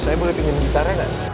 saya boleh ingin gitarnya nggak